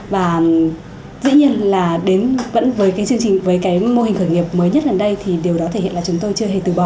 và dĩ nhiên là đến với cái mô hình khởi nghiệp mới nhất lần đây thì điều đó thể hiện là chúng tôi chưa hề từ bỏ